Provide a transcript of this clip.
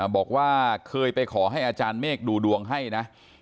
บอกว่าเคยไปขอให้อาจารย์เมฆดูดวงให้นะ